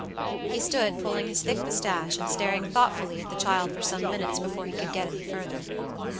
He stood pulling his thick mustache and staring thoughtfully at the child for some minutes before he could get any further.